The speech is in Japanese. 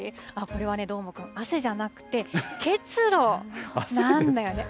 これはね、どーもくん、汗じゃなくて結露なんだよね。